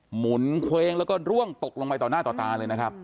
หมุนเขวงแล้วก็ล่วงตกลงไปต่อตาเลยนะครับ